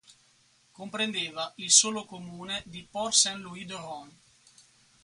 Comprendeva il solo comune di Port-Saint-Louis-du-Rhône.